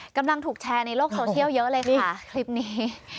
กำลังถูกแชร์ในโลกโซเชียลเยอะเลยค่ะคลิปนี้